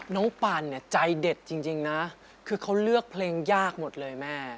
ปานเนี่ยใจเด็ดจริงนะคือเขาเลือกเพลงยากหมดเลยแม่